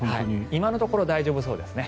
今のところ大丈夫そうですね。